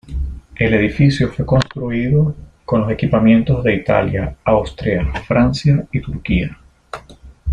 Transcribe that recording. El edificio fue construido con los equipamientos de Italia, Austria, Francia y Turquía.